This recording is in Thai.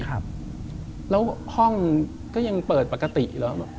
แล้วห้องก็ยังเปิดปกติเหรอ